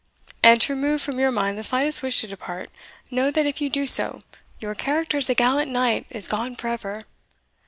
And to remove from your mind the slightest wish to depart, know, that if you do so, your character as a gallant knight is gone for ever.